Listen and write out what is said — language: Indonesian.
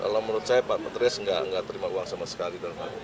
kalau menurut saya pak menteries nggak terima uang sama sekali